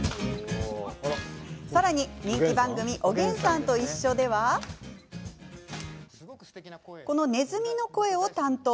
さらに、人気番組「おげんさんといっしょ」ではこの、ねずみの声を担当。